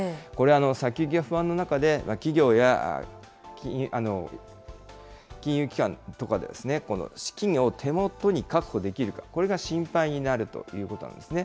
先行きが不安の中で、企業や金融機関とか、資金を手元に確保できるか、これが心配になるということなんですね。